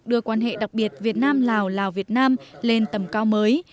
đưa quan hệ đặc biệt việt nam lào lào việt nam lên tầm cao mới